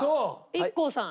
ＩＫＫＯさん。